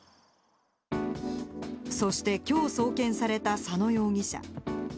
そして、きょう送検された佐野容疑者。